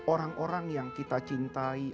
orang orang yang kita cintai